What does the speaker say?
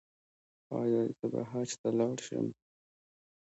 ایا زه به حج ته لاړ شم؟